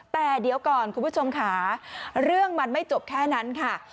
แต่เดี๋ยวก่อนคุณผู้ชมค่ะเรื่องมันไม่จบแค่นั้นค่ะ